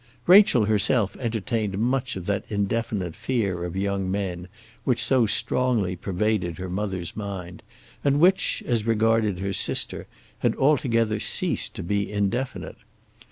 Rachel herself entertained much of that indefinite fear of young men which so strongly pervaded her mother's mind, and which, as regarded her sister, had altogether ceased to be indefinite.